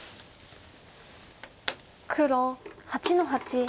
黒８の八。